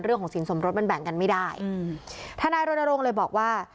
เรื่องของสินสมรสมันแบ่งกันไม่ได้อืมธนาโรนโรงเลยบอกว่า